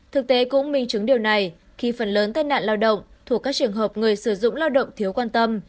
thực tế cũng minh chứng điều này khi phần lớn tai nạn lao động thuộc các trường hợp người sử dụng lao động thiếu quan tâm